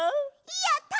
やった！